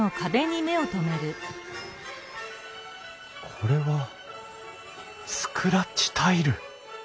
これはスクラッチタイル！